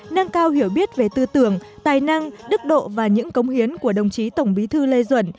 nâng cao hiểu biết về tư tưởng tài năng đức độ và những cống hiến của đồng chí tổng bí thư lê duẩn